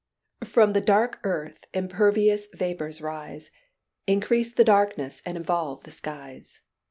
"From the dark earth impervious vapors rise, Increase the darkness and involve the skies.